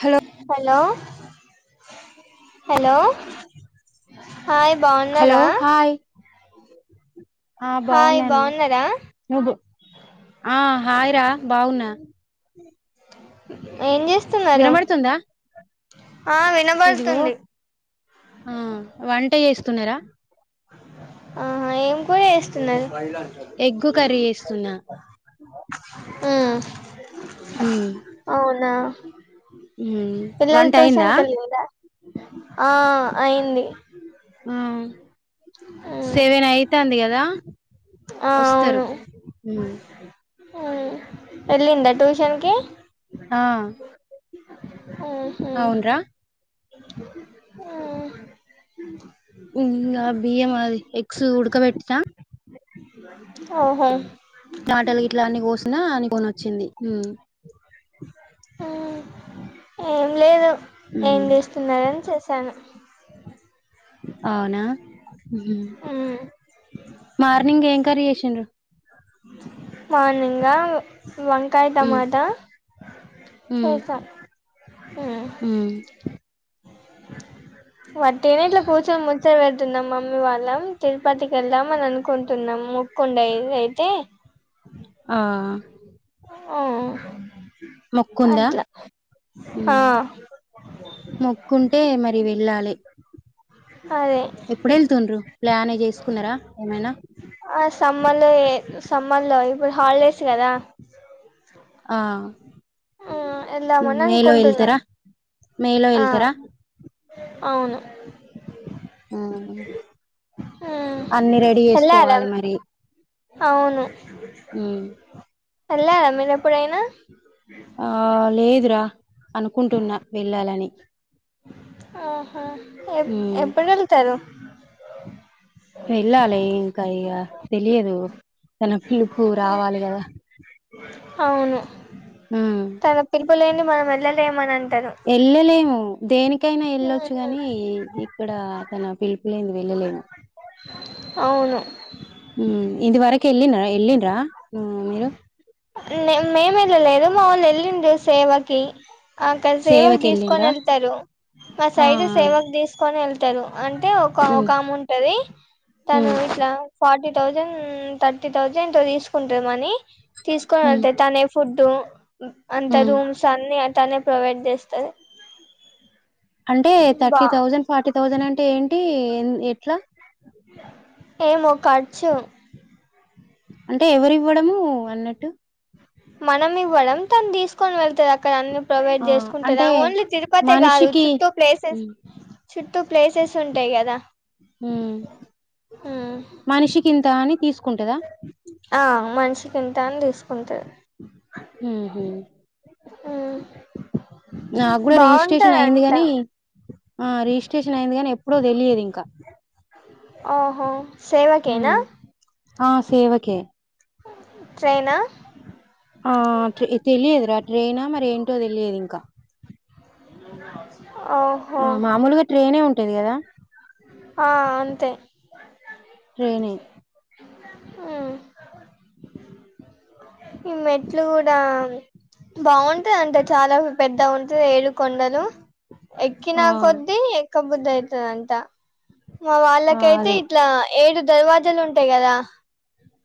Hello hello hello hi hello బాగున్నారా hi ఆ hi బాగున్నాను బాగున్నారా నువ్వు ఆ హాయ్ రా బాగున్నా ఏం చేస్ వినబడుతుందా ఆ ఇదిగో వినబడుతుంది ఆ వంట చేస్ తున్నారా ఆహా ఏం కూర చేస్ తున్నారు [unintelligible] ఎగ్గు కర్రీ చేస్తున్నా యూ యూ నా పిల్లలు వంట అయిందా ట్యూషన్ కి వెళ్ళిండ్రా ఆ అయింది ఆ ఉమ్ సెవెన్ అయితాంది కదా ఆ వస్తారు యూ వెళ్ళిందా ట్యూషన్ కి ఆ ఓహో అవున్రా యూ ఉహ్ అవి బియ్యము అవి ఎగ్స్ ఉడకబెట్టిందిరా ఓహో మాటలు ఇట్లా అన్ని కోసినా నీ ఫోన్ వచ్చింది యూ యూ ఏం లేదు ఏం ఉమ్ చేస్తున్నారని చేస్ చెన అవునా ఉమ్ మార్నింగ్ ఏం కర్రీ చేసిండ్రు మార్నింగా ఉమ్ వంకాయతమాదా చేశా ఆ వట్ ఏనే ఇట్లా కూర్చని ము ఇ వెళ్తున్నాం మమ్మీ వాళ్ళం తిరుపతికి వెళ్దాం అని అనుకుంటున్నాం మొక్కండ అయితే ఆ ఓ మొక్కుందా ఆ మొక్కుంటే మరి వెళ్ళాలి అదే ఎప్పుడు వెళ్తుండ్రు ప్లాన్ చేసుకున్నారా ఏమైనా ఆ సమ్మ లో సమ్మర్ లో ఇప్పుడు హాలిడేస్ కదా ఆ వెళ్దామని మేల అనుకుంటున్నాం వెల్తారా మెల ఆ వెల్తారా అవును ఆ అన్నిీ రెడీ వెళ్లారా చేసుకోవాలి మరి అవును ఉమ్. అలా మీేన ఎప్పుడైనా ఆ లేదురా అనుకుంటున్నా వెళ్ళాలని ఆహా ఎ ఉమ్. ఎప్పుడు వెళ్తారు [inaudible] వెళ్ళాలి ఇంకాయక తెలియదు తన పిలుపు రావాలి కదా అవును ఉమ్. తన తిరుపులే మనం వెళ్ళలే ఏమనంత వెళ్ళలేము దేనికినికి ఎక్కైనా వెళ్ళొచ్చు ని ఇక్కడ తన పిలుపులేంది వెళ్ళలేము అవును ఉ ఇంద వరక ఎల్నరా ఎల్లినరా మీరు మేముళ లేదు మాముళ్ళ వెళ్ళిండు సేవకి అక్కడ సేవకు తీసుకని సేవకెళ్ళిండ్రా వెళ్తారు మా ఆ ఆ సైడ్ సేవకు తీసుకుొని వెళ్త తరు అంటే ఒక ఒక ఉమ్ ఆముంటది తను ఉమ్ ఇట్ల ఫార్టీ థౌజండ్ థర్టీ థౌజండ్ ఏో తీసుకుంటరు మనీ ఉమ్ తీసుకొనంటే తనే కుుట్టు అంత ఉమ్ రూమ్స్ అన్ని తనే ప్రొవైడ్ చేస్తది అంటే బా థర్టీ థౌజండ్ ఫార్టీ థౌజండ్ అంటే ఏంటి టి ఎట్లా ఏమో ఖర్చు అంటే ఎవరివ్వడము వాల్ అన్నట్టు మనం ఇవ్వడం తను తీసుకొని వెళ్తది అక్కడ అన్ని ప్రొవైడ్ ఆ చేసుకుంటద అంటే ఓన్లీ తిరుపతి కాదు మనిషికి చుట్టూ ప్లేసెస్ ఉమ్ చుట్టూ ప్లేసెస్ ఉంటయి కద ఉమ్ మనిషికి ఇంత అని తీసుకు ఆ మనిషికి ఇంత అని తీసుకుంటరు ఉ ఊహు మ్ నాకూడ రిజిస్ట్రేషన్ అయ్యింది కాని ఆ రిజిస్ట్రేషన్ అయింది గానీ ఎప్పుడో తెలీదు ఇంకా ఓహో సేవ కేనా ఉమ్ ఆ సేవకే ట్రైన ఆ ట్రై తెలియద్ ర రేనా మరేంటో తెలియదు ఇంక అవు ఆ మామూల్గా ట్రైనే ఉంటు తెలియద ఆ అంతె ట్రైనే ఉమ్ ఈ మెట్లు కూడా బాగుంటది అంటే చాల పెద్ద ఉంటది ఏడు కొొండలు ఎక్కినా ఆ కొద్ది ఎక్ ఎక్క బుద్ధి అయితది అయితది అంట మా ఆ వాళ్ళకైతే అదే ఇట్లా ఏడు దర్వాజలు ఉంటయి కదా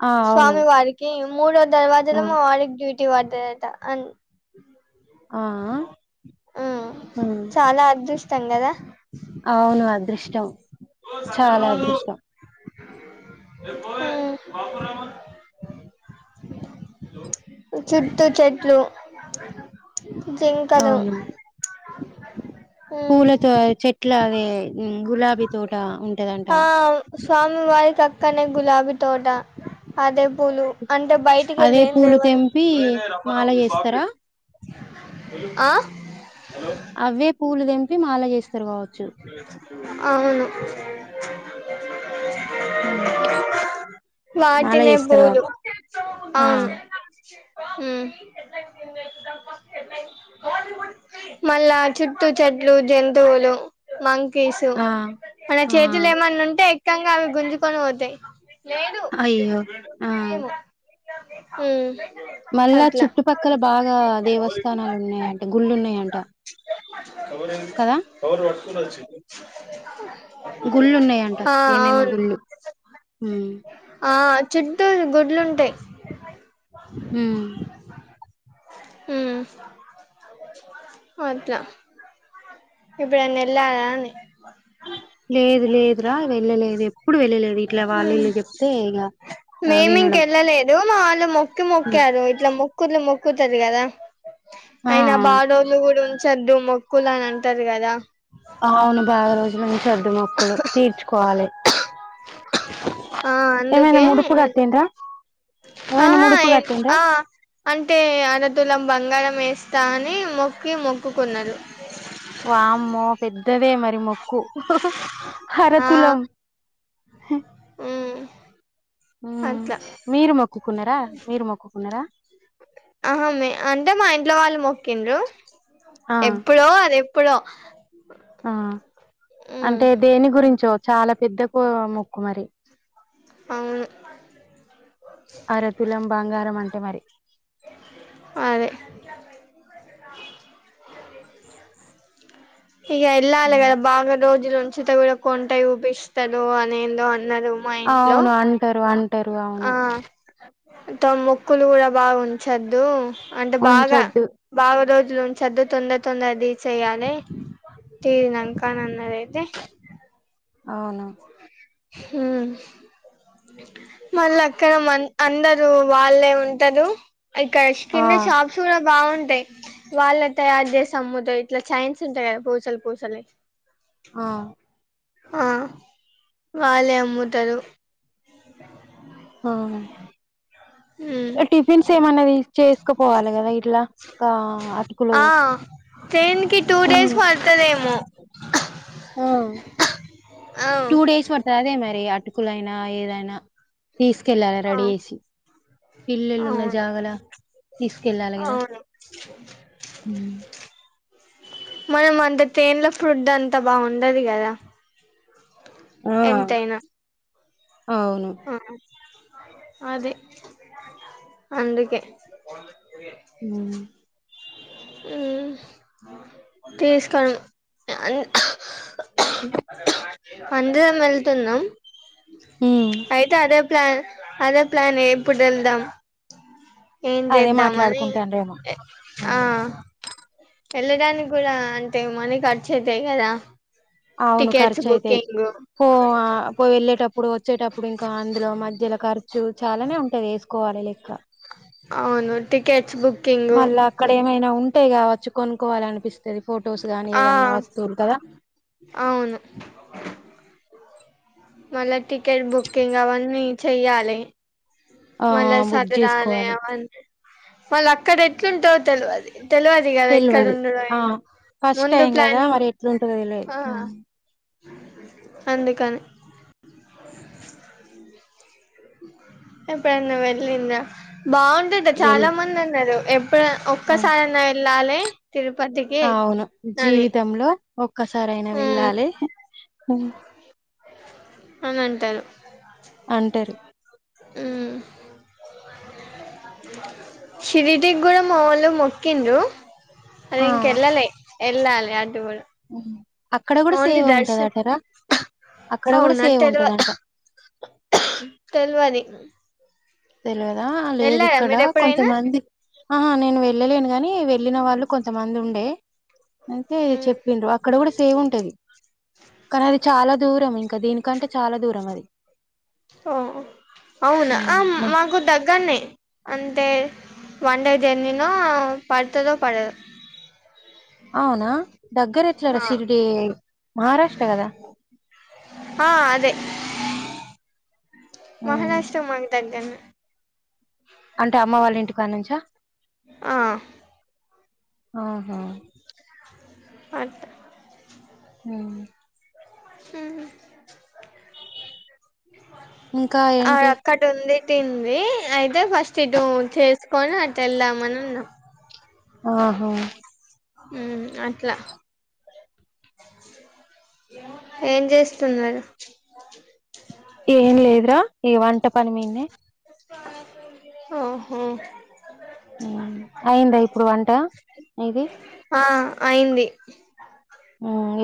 ఆ అవును స్వామి వారికి మూడో ఆ దర్వాజలో మా వారికి డ్యూట్ టి వాదద అ ఆ ఆ చాలా అదృష్ట ఇస్తాం కదా అవును అదృష్టం చాలా అదృష్టం చట్ చెట్లు జికలు అవును పూలతో చెట్ల పే గులాబీ తోట ఉంటదంట ఆ స్వామి వారికి అక్కనే గులాబీ తోట అదేపూలు అంటే బయటికి అదే వెళ్ళంది పూలు తెంపి మాల ఎవరమ్ మీ బా చేస్తారా ఆ హలో అవే పూలు తెంపి మాల చేస్తా తర్వాచ్చు అవును మాలా వాటినే చేస్తారు పూలు బబ ఆ అవును మళ్ళా చుట్టూ చెట్లు జంతువులు మ కేసు ఆ మన ఆ చేతులు ఏమన్నా ఉంటే ముక్కంగా అవి గుంజుకొని పోతాయి లేదు అయ్యో ఆ హ మళ్ళా చుట్టుపక్కల బాగా దేవస్థానాలు ఉన్నాయంట గుళ్ళున్నాయంట అ రంరు వర్ చ గుళ్ళు ఉన్నాయంట ఆ ఏమేమో అవును గుళ్ళు ఉమ్ చుట్టటుూ గుొడ్లుంటాయి హ హ అట్లా ఇప్పుడు నెల్లద లేదు లేదురా వెళ్ళలేదు ఎప్పుడూ వెళ్ళలేదు ఇట్లా వాళ్ళు ఈళు చెప్తే ఇగ ఆ వినడం లు ము కి మొక్కారు ఇట్లా ముక్కుంది ము క్కుతది కదా ఆ అయినా బా డోరులు కూడా ఉంచొద్దు మొక్కులనం టరు కదా అవును బాగా రోజులు నుంచి [inaudible] మొక్కలు తీర్చుకోవాలి ఆ ఏమైనా అందుకే ముడుపు కట్టిండ్రా ఏమైనా ఆహా ముడుపు కట్టిండ్రా ఆ అంటే అరతులం బంగారం మేస్తా అని మొక్కి మొక్కుకున్నరు వామ్మో పెద్దదే మరి మొ క్కు హర ఆ తులం ఉమ్ ఊ అట్లా మీరు మొక్కుకున్నరా మీరు మొక్కుకున్నరా అహా మే అంటే మా ఇంట్లో వాళ్ళు మొక్కిండ్రు ఆ ఎప్పుడో అదె ప్పుడో ఆ అంటే దేనిగురించో చాలా పెద్ద కో మొక్కు మరి అవును అరతులం బంగారం అం టే మరి అదే ఇగ వెళ్ళాలి కదా బాగా రోజులు ఉచిత కూడా కొంటె యూపిస్తడు అనేందో అన్ అవును అంటారు అం టరు అవును తమ మొక్కులు కూడా బాగా ఉంచద్దు అంటే బాగా ఉంచొద్దు బాగా రోజు సలు ఉంచొద్దు తొందర తొందర తీర్చేయాలే తీరినాంక అని అన్నది అయితే. అవునా హ్మ్ మళ్ళ అక్కడ మన్ అందరూ వాళ్ళేం అంటరు. ఇక్కడ ఆ స్కిన్ షాప్స్ కూడా బాగుంటాయి వాళ్ళే తయారు అదే సముద్రం ఇట్లా చైన్స్ ఉంటాయి కదా పూసలు పూసలే ఆ ఆ వాళ్ళే అమ్ముతరు [inaudible] ఆ ఉమ్ టిఫిన్స్ ఏమన్నది చేసుకపోవాలి కదా ఇట్ల అటుకులు ఆ ట్రైన్ కి టూ డేస్ పడుతదేమో ఆ అవు ఎ అటుకులైనా ఏదైనా తీసుకెళ్ళాలి ఆ రెడీ చేసి ఇల్లుళు ఉన్న అవును జాగల తీసుకెళ్ళాలి కదా అవును మనం అంత తేనల ఫుడ్ అంతా బాగుండదు కదా ఆ ఎంతైనా అవును అహ అది అందుకే ఉ ఉ తీసుకం అన్ అందరం వెళ్తున్నాం. ఉమ్ అయితే అదే ప్లా అదే ప్లానే ఎప్పుడు వెళ్దాం ఏం అదే చేద్దామని మాట్లాడుకుంటాన్రేమో ఆ వెళ్ళడానికి కూడా అంటే మనీ ఖర్చు అయితాయి కదా అవును టికెట్స్ ఖర్చు అయితాయి బుకింగ్ పో ఆ పో వెళ్ళేటప్పుడు వచ్చేటప్పుడు ఇంకా అందులో మధ్య సర్కార్ చు చాలానే ఉంటది ఏస్ కోవాలి లెక్క అవును టికెట్స్ బుక్ మళ్ళా అక్కడ ఏమైనా ఉన్ అంటే కావచ్చు కొనుక్కోవాలినిపిస్తు ది ఫొటోస్ గానీ ఆ ఏదన్నా వస్తువులు కదా అవును మళ్ళా టికెట్ బుకింగ్ అవన్నీ చెయ్యాలి ఆ మళ్ళ బుక్ సధరాలె చేసుకోవాలి అవన్నీ మళ్ళ అక్కడ ఎట్లుంటా తెలవది తెలవది కదా ఎక్కడ తెలివదు ఉండడో ఆ ఏం ఫస్ట్ ముందు టైం కదా ప్లానింగ్ మరి ఎట్లుంటదో తెలియదు ఆ అందుకని ఎప్పుడైన వెల్లిందా బాగుండదు వెల్ చాలా మంది అన్నారు ఎ ఇప్పుడు ఒక్క ఆ సారన్నా వెల్ ల్లలే అవును జీవితంలో ఓకే ఒసారి అయినా ఉమ్ వెళ్ళాలి అని అంటారు అంటరు ఆ శరిీడి్ గుడ మావలు మొక్కింద అదే ఆ ఇంకెళ్ళాల ఎలా అ అ అక్కడ కూడా అవున్లీ సేవ దర్శన్ ఉంటదటరా అక్కడ కూడా అవునా సేవ తెల్వ ఉంటదంట తెల్వని తెలియదా లేదు ఇక్కడ మీరు ఎప్పుడైనా కొంతమంది ఆ నేను వెళ్ళలేను నీ వెళ్లిిన వాళ్ళు కొంతమంది ఉండే అయితే ఉమ్ చెప్పిండ్రు అక్కడ కూడా సేవ్ ఉంటది కానీ అది చాలా దూరం ఇంకా దీనికంటే చాలా దూరం అది ఓ అవునా ఆ హ్మ్. మా మాకు దగ్గ న్న అంటే వన్ డే జర్నీనో పడుతుందో పడదు అవునా దగ్గర ఎట్లార ఆ శిర్డి మహారాష్ట్ర కదా హ్మ్. మహారాష్ట్రం మాగతాంటను అంటే అమ్మ వాళ్ళ ఇంటికి దుకానుంచ ఆ ఆహా అ ఆ హ ఇంకా ఏంటి పట్టింది అయితే ఫస్ట్ ఇటు చేసుకొని అటు వెళ్దామని ఉన్నా ఆహా అట్లా ఏం చేస్తున్నారు ఏన్ లేదరా ఈ వంట పని మీని ఆ హుమ్ అయిందా ఇప్పుడు వంట నీది ఆ అయింది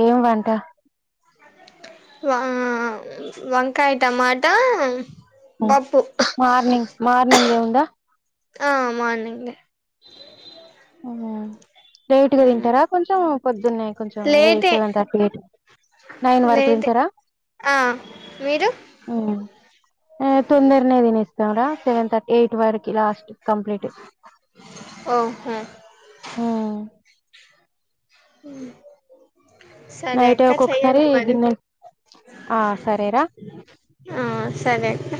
ఏం వంట వంకాయ, టమాటా పప్పు మార్నింగ్ మార్నింగ్ దే ఉందా ఆ మార్నింగ్ దే ఆఓ లేట్గా తింటారా కొంచెం పొద్దున్న కొంచెం లేటే సెవెన్ థర్టీ ఎయిట్ నైన్ వరకు లేటే తింటారా ఆ మీరు తొందరనే తినేస్త సెవన్ తర్టీ ఎయిట్ వరకి లాస్ట్ కంప్లీట్ ఓహ అ సరే నైట్ అక్క చెయ్యడి ఒక్కొక్కసారి మరి గిన్నె ఆ సరేరా ఆ సరే అక్క